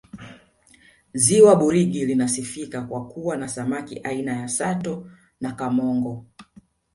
ziwa burigi linasifika kwa kuwa na samaki aina ya sato na kamongo